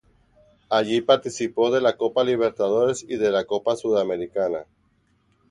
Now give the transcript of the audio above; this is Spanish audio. Allí participó de la Copa Libertadores y de la Copa Sudamericana.